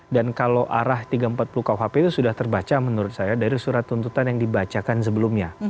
dan kalau arah tiga ratus empat puluh khp itu sudah terbaca menurut saya dari surat tuntutan yang dibacakan sebelumnya